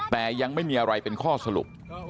แต่ยังไม่มีอะไรเป็นข้อสรุป